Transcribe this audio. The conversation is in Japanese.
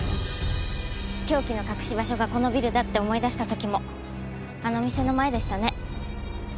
凶器の隠し場所がこのビルだって思い出した時もあの店の前でしたね。